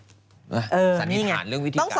สันนิษฐานเรื่องวิธีการ